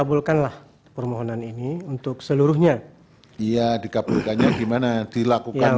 pada tps dua pasik